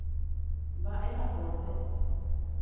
Mba’e la pórte.